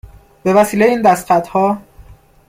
به وسیله این دست خط ها